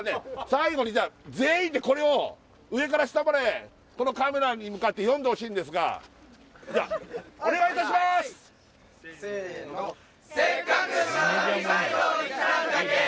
最後にじゃあ全員でこれを上から下までこのカメラに向かって読んでほしいんですがじゃあせーの「せっかくしまなみ海道に来たんじゃけぇ」